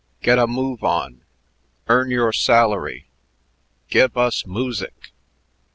"Get a move on!"... "Earn your salary!"... "Give us moosick!"